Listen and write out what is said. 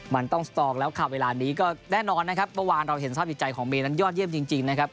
มันต้องสตองแล้วค่ะเวลานี้ก็แน่นอนนะครับเมื่อวานเราเห็นสภาพจิตใจของเมย์นั้นยอดเยี่ยมจริงนะครับ